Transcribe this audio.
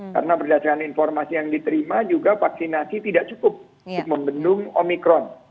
karena berdasarkan informasi yang diterima juga vaksinasi tidak cukup untuk membendung omikron